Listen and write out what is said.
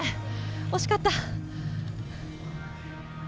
惜しかった。